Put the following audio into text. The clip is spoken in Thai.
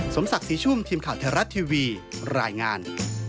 สมศักดิ์ศรีชุ่มทีมข่าวไทยรัฐทีวีรายงาน